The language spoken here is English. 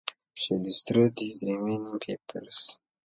She destroyed his remaining papers.